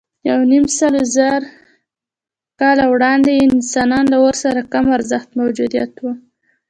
یونیمسلزره کاله وړاندې انسانان له اور سره کم ارزښته موجودات وو.